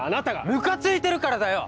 むかついてるからだよ！